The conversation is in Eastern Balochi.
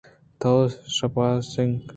توئے شپانک